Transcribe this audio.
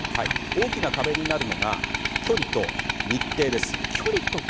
大きな壁になるのが距離と日程です。